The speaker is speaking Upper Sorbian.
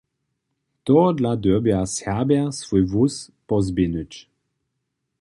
Tohodla dyrbja Serbja swój hłós pozběhnyć.